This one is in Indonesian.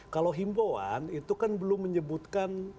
kalau himbauan itu kan belum menyebutkan